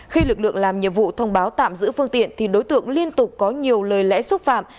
khi lực lượng làm nhiệm vụ thông báo tạm giữ phương tiện thì đối tượng liên tục có nhiều lời lẽ xúc phạm